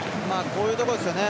こういうところですよね。